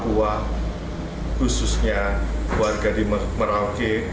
bahwa khususnya warga di merauke